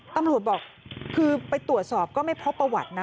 ตำรวจบอกคือไปตรวจสอบก็ไม่พบประวัตินะ